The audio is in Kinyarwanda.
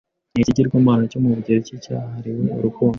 ni ikigirwamana cyo mu Bugereki cyahariwe urukundo